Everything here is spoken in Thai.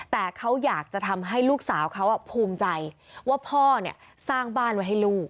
แต่เขาอยากจะทำให้ลูกสาวเขาภูมิใจว่าพ่อเนี่ยสร้างบ้านไว้ให้ลูก